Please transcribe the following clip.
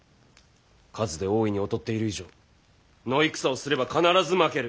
数で大いに劣っている以上野戦をすれば必ず負ける。